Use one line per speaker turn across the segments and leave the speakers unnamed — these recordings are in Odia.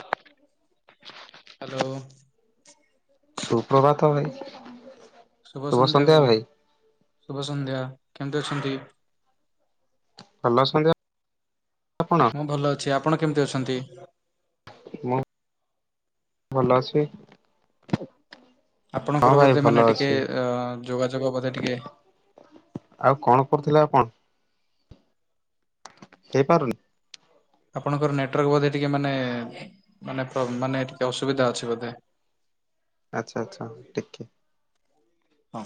ହ୍ୟାଲୋ?
ସୁପ୍ରଭାତ ଭାଇ।
ଶୁଭ ସନ୍ଧ୍ୟା ଭାଇ। ଶୁଭ ସନ୍ଧ୍ୟା। କେମିତି ଅଛନ୍ତି?
ଭଲ ଅଛନ୍ତି ଆପଣ?
ମୁଁ ଭଲ ଅଛି। ଆପଣ କେମିତି ଅଛନ୍ତି?
ମୁଁ ଭଲ ଅଛି। ହଁ
ଆପଣଙ୍କର
ଭାଇ
ବୋଧେ
ଭଲ
ମାନେ ଟିକେ
ଅଛି।
ଅ-ଯୋଗାଯୋଗ ବୋଧେ ଟିକେ
ଆଉ କଣ କରୁଥିଲେ ଆପଣ? ହେଇପାରୁନି?
ଆପଣଙ୍କର ନେଟୱାର୍କ ବୋଧେ ଟିକେ ମାନେ ମାନେ ମାନେ ଟିକେ ଅସୁବିଧା ଅଛି ବୋଧେ।
ଆଛା ଆଛା ଟିକେ।
ହଁ।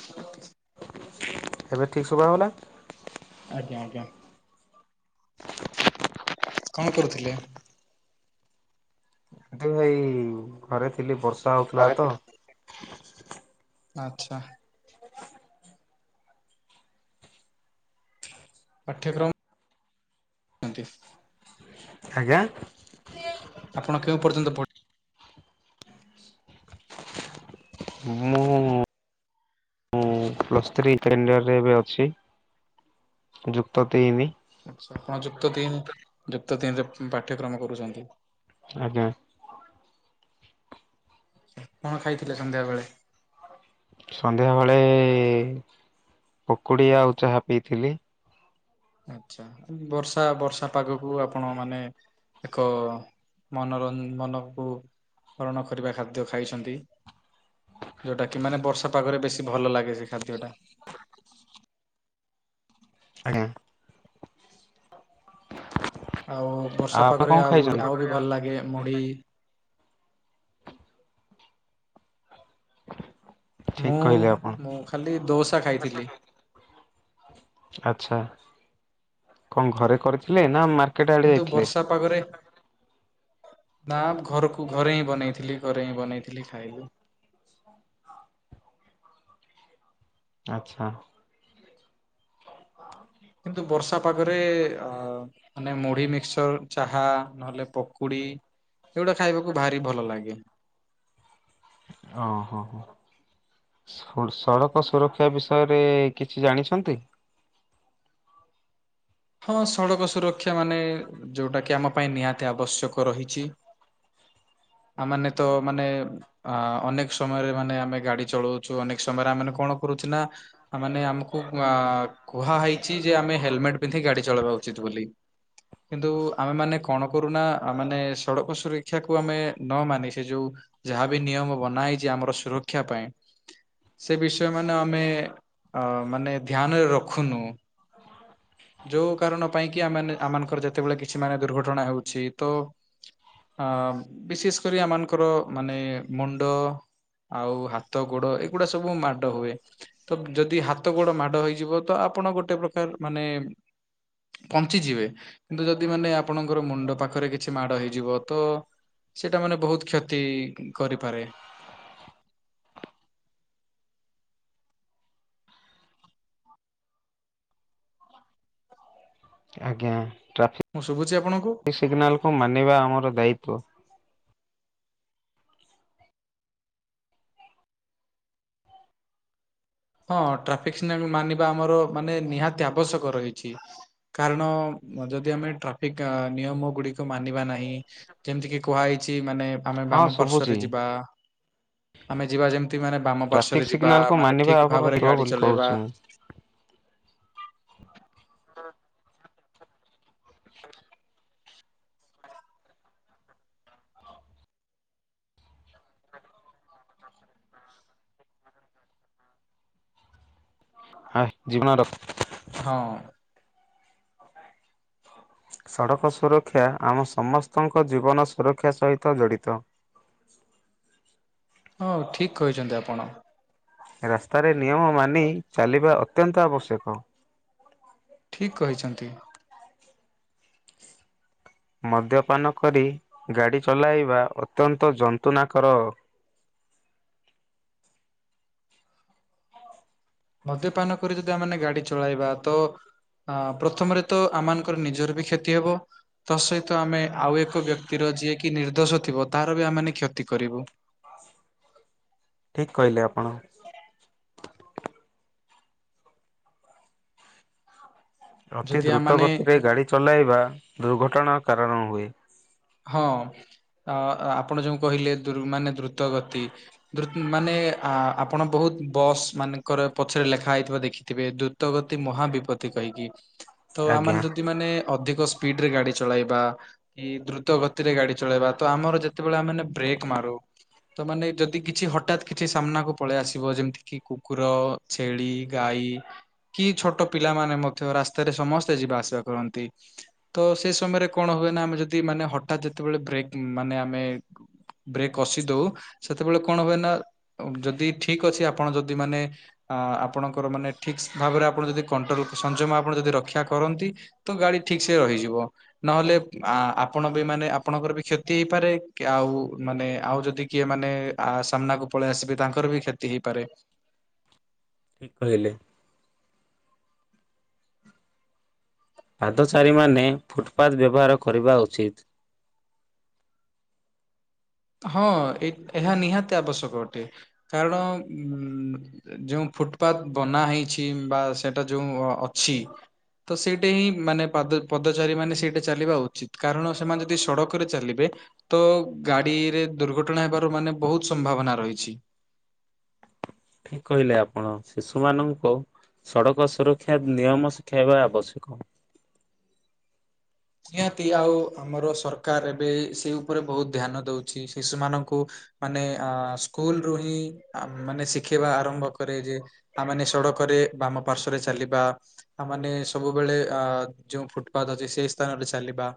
ଏବେ ଠିକ ଠିକ ଶୁଭା ହେଲା?
ଆଜ୍ଞା ଆଜ୍ଞା। କଣ କରୁଥିଲେ?
କିନ୍ତୁ ଭାଇ ଘରେ ଥିଲି ବସ୍
ଘରେ ଥିଲି। ଆଛା। ପାଠ୍ୟକ୍ରମ [unintelligible]
ଆଜ୍ଞା?
ଆପଣ କେଉଁ ପର୍ଯ୍ୟନ୍ତ ପଢି
ମୁଁ ପ୍ଲସ-ଥ୍ରି [unintelligible] ଏବେ ଅଛି। ଯୁକ୍ତ ତିନି।
ଆଛା ଆପଣ ଯୁକ୍ତ ତିନି ଯୁକ୍ତ ତିନରେ ପାଠ୍ୟକ୍ରମ କରୁଛନ୍ତି।
ଆଜ୍ଞା।
କଣ ଖାଇଥିଲେ ସନ୍ଧ୍ୟାବେଳେ?
ସନ୍ଧ୍ୟାବେଳେ ପକୁଡ଼ି ଆଉ ଚାହା ପିଇଥିଲି।
ଆଚ୍ଛା। ବର୍ଷା ବର୍ଷା ପାଗକୁ ଆପଣ ମାନେ ଏକ ମନୋର ମନକୁ ହରଣ କରିବା ଖାଦ୍ୟ ଖାଇଛନ୍ତି। ଯୋଉଟା କି ମାନେ ବର୍ଷା ପାଗରେ ବେଶୀ ଭଲ ଲାଗେ ସେ ଖାଦ୍ୟଟା।
ଆଜ୍ଞା।
ଆଉ
ଆଉ
ବର୍ଷା
ଆପଣ କଣ
ପାଗରେ ଆଉ
ଖାଇଛନ୍ତି?
ଆଉ ବି ଭଲ ଲାଗେ ମୁଢି
ଠିକ
ମୁଁ
କହିଲେ ଆପଣ
ମୁଁ ଖାଲି ଦୋସା ଖାଇଥିଲି।
ଆଛା କଣ ଘରେ କରିଥିଲେ ନା ମା
କିନ୍ତୁ ବର୍ଷା
ବର୍ଷା ପାଗରେ
ନା ଘରକୁ ଘରେ ହିଁ ବନେଇଥିଲି ଘରେ ହିଁ ବନେଇଥିଲି ଖାଇଲି।
ଆଚ୍ଛା।
କିନ୍ତୁ ବର୍ଷା ପାଗରେ ଅ ମାନେ ମୁଢି ମିକ୍ସର, ଚାହା, ନହେଲେ ପକୁଡି ଏଗୁଡା ଖାଇବାକୁ ଭାରି ଭଲ ଲାଗେ।
ଓ ହଁ ହଁ। ସଡ ସଡ଼କ ସୁରକ୍ଷା ବିଷୟରେ କିଛି ଜାଣିଛନ୍ତି?
ହଁ ସଡ଼କ ସୁରକ୍ଷା ମାନେ ଯେଉଟାକି ଆମ ପାଇଁ ନିହାତି ଆବଶ୍ୟକ ରହିଛି। ଆ ମାନେ ତ ମାନେ ଅ ଅନେକ ସମୟରେ ମାନେ ଆମେ ଗାଡି ଚଳଉଛୁ ଅନେକ ସମୟରେ ଆମେ କଣ କରୁଛୁ ନା ମାନେ ଆମକୁ ଆ କୁହାହେଇଛି ଯେ ଆମେ ହେଲମେଟ ପିନ୍ଧି ଗାଡି ଚଲେଇବା ଉଚିତ ବୋଲି। କିନ୍ତୁ ଆମେ ମାନେ କଣ କରୁନା ଆ ମାନେ ସଡ଼କ ସୁରକ୍ଷାକୁ ଆମେ ନ ମାନି ସେ ଯୋଉ ଯାହା ବିି ନିୟମ ବନାହେଇଛି ଆମର ସୁରକ୍ଷା ପାଇଁ। ସେ ବିଷୟମାନ ଆମେ ଅ ମାନେ ଧ୍ୟାନରେ ରଖୁନୁ। ଯୋଉ କାରଣ ପାଇଁ କି ଆମେମାନେ ଆମମାନଙ୍କର ଯେତେବେଳେ କିଛି ମାନେ ଦୁର୍ଘଟଣା ହେଉଛି ତ ଅ ବିଶେଷ କରି ଆମ ମାନଙ୍କର ମାନେ ମୁଣ୍ଡ ଆଉ ହାତ ଗୋଡ ଏଗୁଡା ସବୁ ମାଡ ହୁଏ। ତ ଯଦି ହାତ ଗୋଡ ମାଡ ହେଇଯିବ ତ ଆପଣ ଗୋଟେ ପ୍ରକାର ମାନେ ବଞ୍ଚିଯିବେ। କିନ୍ତୁ ଯଦି ମାନେ ଆପଣଙ୍କର ମୁଣ୍ଡ ପାଖରେ କିଛି ମାଡ ହେଇଯିବ ତ ସେଇଟା ମାନେ ବହୁତ କ୍ଷତି କରିପାରେ।
ଆଜ୍ଞା। ଟ୍ରାଫିକ୍
ମୁଁ ଶୁଭୁଛି ଆପଣଙ୍କୁ?
ସିଗ୍ନାଲ କୁ ମାନିବା ଆମର ଦାୟିତ୍ୱ।
ହଁ ଟ୍ରାଫିକ ସିଗ୍ନାଲ ମାନିବା ଆମର ମାନେ ନିହାତି ଆବଶ୍ୟକ ରହିଛି। କାରଣ ଯଦି ଆମେ ଟ୍ରାଫିକ ନିୟମ ଗୁଡିକ ମାନିବା ନାହିଁ ଯେମିତି କି କୁହାହେଇଛି ମାନେ ଆମେ
ହଁ
ବାମ ପାର୍ଶ୍ଵରେ
ଶୁଭୁଛି
ଯିବା ଆମେ ଯିବା ଯେମିତି ମାନେ ବାମ
ଟ୍ରାଫିକ
ପାଶ୍ଵରେ ଯିବା
ସିଗ୍ନାଲକୁ
ମାନେ
ମାନିବା
ଠିକ
ଆମର
ଭାବରେ
ଦେହ
ଗାଡି
ବୋଲି
ଚଲେଇବା
କହୁଛି ମୁଁ। ହଁ ଜୀବନ ରଖ
ହଁ।
ସଡ଼କ ସୁରକ୍ଷା ଆମ ସମସ୍ତଙ୍କ ଜୀବନ ସୁରକ୍ଷା ସହିତ ଜଡିତ।
ହଁ ଠିକ୍ କହିଛନ୍ତି ଆପଣ।
ରାସ୍ତାରେ ନିୟମ ମାନି ଚାଲିବା ଅତ୍ୟନ୍ତ ଆବଶ୍ୟକ।
ଠିକ୍ କହିଛନ୍ତି।
ମଦ୍ୟପାନ କରି ଗାଡ଼ି ଚଲାଇବା ଅତ୍ୟନ୍ତ ଯନ୍ତ୍ରଣା କର
ମଦ୍ୟପାନ କରି ଯଦି ଆମେମାନେ ଗାଡି ଚଳାଇବା ତ ଅ ପ୍ରଥମରେ ତ ଆମମାନଙ୍କର ନିଜର ବି କ୍ଷତି ହେବ। ତା ସହିତ ଆମେ ଆଉ ଏକ ବ୍ୟକ୍ତିର ଯିଏକି ନିର୍ଦ୍ଦୋଷ ଥିବ ତାର ବି ଆମେ ମାନେ କ୍ଷତି କରିବୁ।
ଠିକ୍ କହିଲେ ଆପଣ। ଅତି
ଯଦି
ଦ୍ରୁତ
ଆମମାନେ
ଗତିରେ ଗାଡ଼ି ଚଲାଇବା ଦୁର୍ଘଟଣା କାରଣ ହୁଏ।
ହଁ ଅ ଆପଣ ଯୋଉ କହିଲେ ମାନେ ଦ୍ରୁତ ଗତି ଦ୍ରୁତ୍ ମାନେ ଆପଣ ବହୁତ ବସ୍ ମାନଙ୍କର ପଛରେ ଲେଖା ହେଇଥିବା ଦେଖିଥିବେ ଦୁତ୍ ତ ଗତି ମହାବିପତ୍ତି କହିକି ତ
ଆଜ୍ଞା।
ଆମାନେ ଯଦି ମାନେ ଅଧିକ ସ୍ପିଡ ରେ ଗାଡି ଚଳାଇବା କି ଦ୍ରୁ ତ ଗତିରେ ଗାଡି ଚଲାଇବା ତ ଆମର ଯେତେବେଳେ ଆମେମାନେ ବ୍ରେକ୍ ମାରୁ ତ ମାନେ ଯଦି କିଛି ହଠାତ୍ କିଛି ସାମ୍ନାକୁ ପଳେଇ ଆସିବ ଯେମିତି କିି କୁକୁର ଛେଳି ଗାଈ। କି ଛୋଟ ପିଲାମାନେ ମଧ୍ୟ ରାସ୍ତାରେ ସମସ୍ତେ ଯିବା ଆସିବା କରନ୍ତି। ତ ସେ ସମୟରେ କଣ ହୁଏ ନା ଆମେ ଯଦି ମାନେ ହଠାତ୍ ଯେତେବେଳେ ବ୍ରେକ୍ ମାନେ ଆମେ ବ୍ରେକ୍ କସି ଦଉ ସେତେବେଳେ କଣ ହୁଏ ନା ଯଦି ଠିକ ଅଛି ଆପଣ ଯଦି ମାନେ ଆ ଆପଣଙ୍କର ମାନେ ଠିକ୍ ଭାବରେ ଆପଣ ଯଦି କଣ୍ଟ୍ରୋଲ୍ ସଂଯମ ଆପଣ ଯଦି ରକ୍ଷା କରନ୍ତି ତ ଗାଡି ଠିକ ସେ ରହିଯିବ ନହେଲେ ଆପଣ ମାନେ ଆପଣଙ୍କର ବି କ୍ଷତି ହେଇପାରେ ଆଉ ମାନେ ଆଉ ଯଦି କିଏ ମାନେ ଆ ସାମ୍ନାକୁ ପଳେଇ ଆସିବେ ତାଙ୍କର ବି କ୍ଷତି ହେଇପାରେ।
ଠିକ କହିଲେ। ପାଦଚାରୀମାନେ ଫୁଟପାଥ ବ୍ୟବହାର କରିବା ଉଚିତ୍।
ହଁ ଏହା ନିହାତି ଆବଶ୍ୟକ ଅଟେ କାରଣ ଉ ଯେଉଁ ଫୁଟପାଥ ବନା ହେଇଛି ବା ସେଇଟା ଯୋଉ ଅଛି ତ ସେଇଟା ହିଁ ମାନେ ପାଦ ପଦଚାରୀ ମାନେ ସେଇଟା ଚାଲିବା ଉଚିତ କାରଣ ସେମାନେ ଯଦି ସଡ଼କରେ ଚାଲିବେ ତ ଗାଡିରେ ଦୁର୍ଘଟଣା ହେବାର ମାନେ ବହୁତ ସମ୍ଭାବନା ରହିଛି।
ଠିକ କହିଲେ ଆପଣ ଶିଶୁ ମାନଙ୍କୁ ସଡ଼କ ସୁରକ୍ଷା ନିୟମ ଶିଖାଇବା ଆବଶ୍ୟକ।
ନିହାତି ଆଉ ଆମର ସରକାର ଏବେ ସେଇ ଉପରେ ବହୁତ ଧ୍ୟାନ ଦଉଛି ଶିଶୁମାନଙ୍କୁ ମାନେ ଅ ସ୍କୁଲରୁ ହିଁ ମାନେ ଶିଖେଇବା ଆରମ୍ଭ କରେ ଯେ ଆ ମାନେ ସଡ଼କରେ ବାମ ପାର୍ଶ୍ଵରେ ଚାଲିବା। ଆମେମାନେ ସବୁବେଳେ ଅ ଯୋଉ ଫୁଟପାଥ ଅଛି ସେଇ ସ୍ଥାନରେ ଚାଲିବା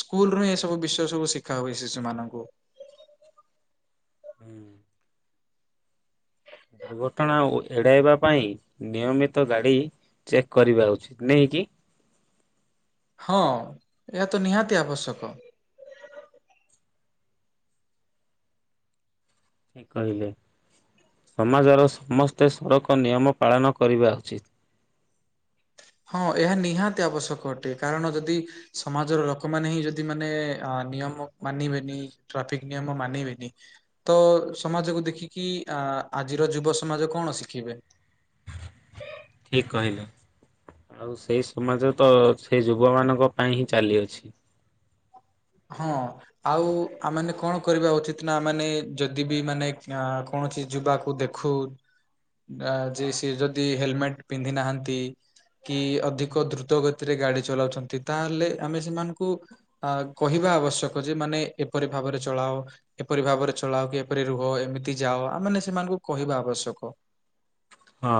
ସ୍କୁଲରୁ ଏ ସବୁ ବିଷୟ ସବୁ ଶିଖା ହୁଏ ଶିଶୁମାନଙ୍କୁ।
ଦୁର୍ଘଟଣା ଓ ଏଡ଼ାଇବା ପାଇଁ ନିୟମିତ ଗାଡ଼ି ଚେକ୍ କରିବା ଉଚିତ୍ ନେଇକି
ହଁ ଏହା ତ ନିହାତି ଆବଶ୍ୟକ।
ଠିକ୍ କହିଲେ ସମାଜର ସମସ୍ତେ ସଡ଼କ ନିୟମ ପାଳନ କରିବା ଉଚିତ୍।
ହଁ ଏହା ନିହାତି ଆବଶ୍ୟକ ଅଟେ କାରଣ ଯଦି ସମାଜର ଲୋକମାନେ ହିଁ ଯଦି ମାନେ ଅ ନିୟମ ମାନିବେନି ଟ୍ରାଫିକ ନିୟମ ମାନିବେନି। ତ ସମାଜକୁ ଦେଖିକି ଆ ଆଜିର ଯୁବ ସମାଜ କଣ ଶିଖିବେ।
ଠିକ କହିଲେ ଆଉ ସେଇ ସମାଜ ତ ସେଇ ଯୁବମାନଙ୍କ ପାଇଁ ହିଁ ଚାଲିଅଛି।
ହଁ। ଆଉ ଆମମାନେ କଣ କରିବା ଉଚିତ ନା ଆମମାନେ ଯଦି ବି ମାନେ କୌଣସି ଯୁବାକୁ ଦେ ଖୁ ଯେ ସିଏ ଯଦି ହେଲ୍ମେଟ୍ ପିନ୍ଧି ନାହାନ୍ତି। କି ଅଧିକ ଦ୍ରୁତ ଗତିରେ ଗାଡି ଚଲାଉଛନ୍ତି ତାହେଲେ ଆମେ ସେମାନଙ୍କୁ ଅ କହିବା ଆବଶ୍ୟକ ଯେ ମାନେ ଏପରି ଭାବରେ ଚଳାଅ ଏପରି ଭାବରେ ଚଳାଅ କି ଏପରି ରୁହ ଏମିତି ଯାଅ ଆମାନେ ସେମାନଙ୍କୁ କହିବା ଆବଶ୍ୟକ।
ହଁ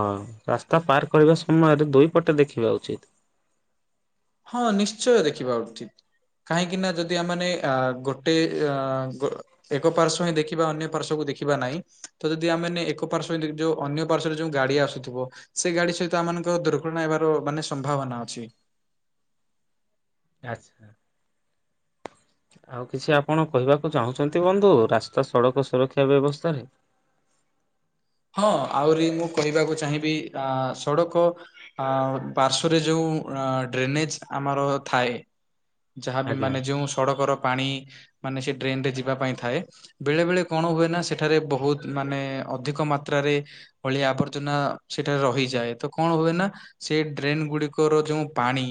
ରାସ୍ତା ପାର୍ କରିବା ସମୟରେ ଦୁଇ ପଟେ ଦେଖିବା ଉଚିତ୍।
ହଁ ନିଶ୍ଚୟ ଦେଖିବା ଉଚିତ। କାହିଁକି ନା ଯଦି ଆମେମାନେ ଅ ଗୋଟେ ଅ ଏକ ପାର୍ଶ୍ ହିଁ ଦେଖିବା ଅନ୍ୟ ପାର୍ଶକୁ ଦେଖିବା ନାହିଁ ତ ଯଦି ଆମେ ଏକ ପାର୍ଶ୍ ହିଁ ଯୋଉ ଅନ୍ୟ ପାର୍ଶରେ ଯୋଉ ଗାଡି ଆସୁଥିବ ସେ ଗାଡି ସହିତ ଆମମାନଙ୍କର ଦୁର୍ଘଟଣା ହେବାର ମାନେ ସମ୍ଭାବନା ଅଛି।
ଆଚ୍ଛା। ଆଉ କିଛି ଆପଣ କହିବାକୁ ଚାହୁଁଛନ୍ତି ବନ୍ଧୁ ରାସ୍ତା ସଡକ ସୁରକ୍ଷା ବ୍ୟବସ୍ଥାରେ?
ହଁ ଆହୁରି ମୁଁ କହିବାକୁ ଚାହିଁବି ଆ ସଡ଼କ ଆ ପାର୍ଶ୍ଵରେ ଯୋଉ ଡ୍ରେନେଜ ଆମର ଥାଏ। ଯାହାବି
ଆଜ୍ଞା
ମାନେ ଯେଉଁ ସଡ଼କର ପାଣି ମାନେ ସେ ଡ୍ରେନରେ ଯିବା ପାଇଁ ଥାଏ। ବେଳେ ବେଳେ କଣ ହୁଏ ନା ସେଠାରେ ବହୁତ ମାନେ ଅଧିକ ମାତ ତ୍ରାରେ ଅଳିଆ ଆବର୍ଜନା ସେଠାରେ ରହିଯାଏ ତ କଣ ହୁଏ ନା ସେଇ ଡ୍ରେନ୍ ଗୁଡିକର ଯୋଉ ପାଣି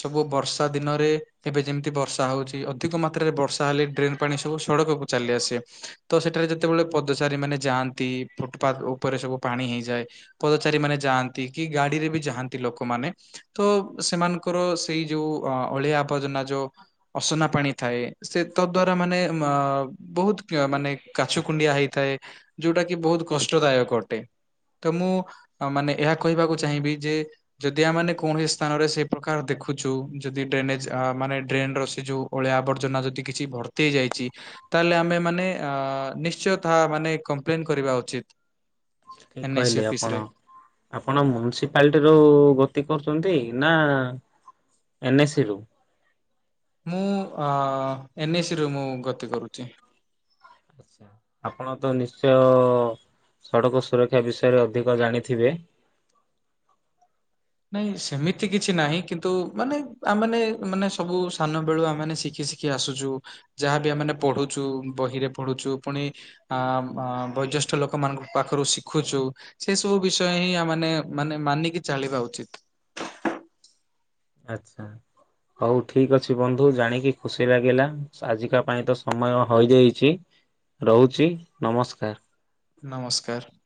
ସବୁ ବର୍ଷା ଦିନରେ ଏବେ ଯେମିତି ବର୍ଷା ହଉଛି ଅଧିକ ମାତ୍ରାରେ ବର୍ଷା ହେଲେ ଡ୍ରେନ ପାଣି ସବୁ ସଡକକୁ ଚାଲି ଆସେ ତ ସେଠାରେ ଯେତେବେଳେ ପଦଚାରୀ ମାନେ ଯାଆନ୍ତି ଫୁଟପାଥ ଉପରେ ସବୁ ପାଣି ହେଇଯାଏ ପଦଚାରୀ ମାନେ ଯାଆନ୍ତି କି ଗାଡିରେ ବି ଯାଆନ୍ତି ଲୋକମାନେ। ତ ସେମାନଙ୍କର ସେଇ ଯୋଉ ଅ ଅଳିଆ ଆବର୍ଜନା ଯୋଉ ଅସନା ପାଣି ଥାଏ ସେତଦ୍ୱାରା ମାନେ ଅ ବହୁତ ମାନେ କାଛୁ କୁଣ୍ଡିଆ ହେଇଥାଏ ଯୋଉଟା କି ବହୁତ କଷ୍ଟଦାୟକ ଅଟେ। ତ ମୁଁ ମାନେ ଏହା କହିବାକୁ ଚାହିଁବି ଯେ ଯଦି ଆମାନେ କୌଣସି ସ୍ଥାନରେ ସେଇ ପ୍ରକାର ଦେଖୁଛୁ ଯଦି ଡ୍ରେନେଜ ମାନେ ଡ୍ରେନ ର ସେ ଯୋଉ ଅଳିଆ ଆବର୍ଜନା ଯଦି କିଛି ଭର୍ତ୍ତିହେଇ ଯାଇଚି ତାହେଲେ ଆମେ ମାନେ ଅ ନିଶ୍ଚୟ ତାହା ମାନେ କମ୍ପ୍ଲେନ କରିବା ଉଚିତ।
ଠିକ
ଏନ୍ଏସି
କହିଲେ
ଅଫିସ ରେ
ଆପଣ। ଆପଣ ମ୍ୟନିସିପାଲିଟିରୁୁ ଗତି କରୁଛନ୍ତି ନା ଏନ୍ଏସି ରୁ।
ମୁଁ ଆ ଏନ୍ଏସିରୁ ମୁଁ ଗତି କରୁଛି।
ଆଚ୍ଛା। ଆପଣ ତ ନିଶ୍ଚୟ ଅ ସଡ଼କ ସୁରକ୍ଷା ବିଷୟରେ ଅଧିକ ଜାଣିଥିବେ।
ନାଇଁ ସେମିତି କିଛି ନାହିଁ କିନ୍ତୁ ମାନେ ଆମମାନେ ମାନେ ସବୁ ସାନ ବେଳୁ ଆମମାନେ ଶିଖି ଶିଖ କି ଆସୁଛୁ ଯାହାବି ଆମେମାନେ ପଢୁଛୁ ବହିରେ ପଢୁଛୁ ପୁଣି ଆ ମା ମ୍ ବୟୋଜ୍ୟେଷ୍ଠ ଲୋକ ମାନଙ୍କ ପାଖରୁ ଶିଖୁଛୁ ସେ ସବୁ ବିଷୟ ହିଁ ଆ ମାନେ ମାନେ ମାନିକି ଚାଳିବା ଉଚିତ୍।
ଆଚ୍ଛା। ହଉ ଠିକ ଅଛି ବନ୍ଧୁ ଜାଣିକି ଖୁସି ଲାଗିଲା ଆଜିକା ପାଇଁ ତ ସମୟ ହୋଇଯାଇଛି। ରହୁଛି ନମସ୍କାର।
ନମସ୍କାର।